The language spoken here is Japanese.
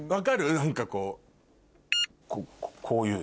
何かこうこういうの。